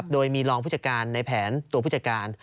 โดยมีรองผู้จัดการในแผนตัวผู้จัดการ